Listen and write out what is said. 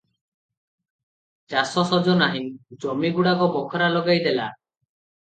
ଚାଷ ସଜ ନାହିଁ, ଜମିଗୁଡାକ ବଖରା ଲଗାଇ ଦେଲା ।